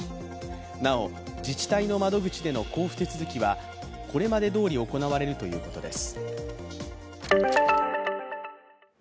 なお、自治体の窓口での交付手続きはこれまでどおり行われるということです。